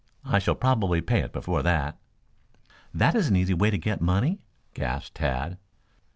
I shall probably pay it before that." "That is an easy way to get money," gasped Tad.